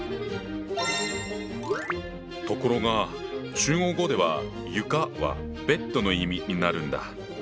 ところが中国語では「床」は「ベッド」の意味になるんだ。